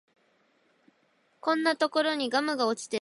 こんなところにガムが落ちてる